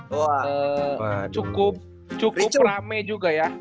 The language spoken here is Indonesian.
wah cukup cukup rame juga ya